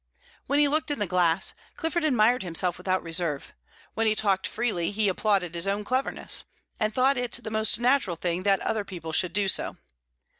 When he looked in the glass, Clifford admired himself without reserve; when he talked freely, he applauded his own cleverness, and thought it the most natural thing that other people should do so.